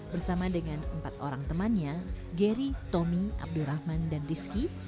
bersama dengan empat orang temannya gary tommy abdurrahman dan rizky